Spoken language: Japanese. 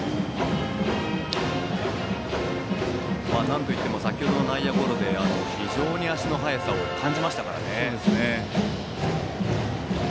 なんといっても先程の内野ゴロで非常に足の速さを感じましたから。